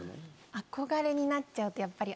憧れになっちゃうとやっぱり。